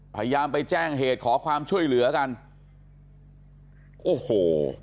พยายามไปแจ้งเหตุขอความช่วยเหลือกันโอ้โห